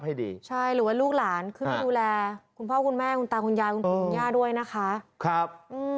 พี่ชะเก็นน่าจะหนาวด้วยแล้วแล้วเก็นไม่กินข้าว